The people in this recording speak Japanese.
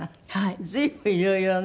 随分色々ね。